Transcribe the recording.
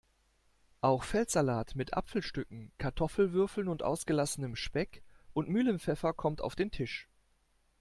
Auch Feldsalat mit Apfelstücken, Kartoffelwürfeln und ausgelassenem Speck und Mühlenpfeffer kommt auf den Tisch.